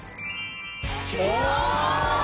うわ！